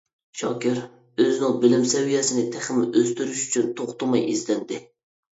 شاكىر ئۆزىنىڭ بىلىم سەۋىيەسىنى تېخىمۇ ئۆستۈرۈش ئۈچۈن توختىماي ئىزدەندى.